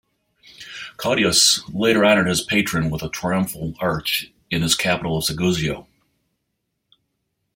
Cottius later honored his patron with a triumphal arch in his capital of Segusio.